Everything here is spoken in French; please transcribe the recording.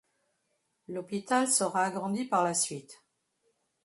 L'hôpital sera agrandi par la suite.